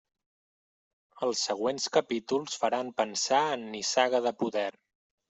Els següents capítols faran pensar en Nissaga de poder.